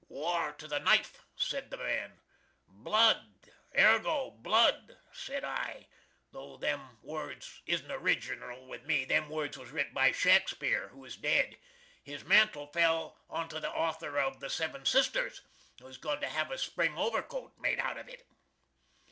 "War to the knife!" sed the man. "Blud, Eargo, Blud!" sed I, tho them words isn't orrigernal with me, them words was rit by Shakspeare, who is ded. His mantle fell onto the author of "The Seven Sisters," who's goin to hav a Spring overcoat made out of it.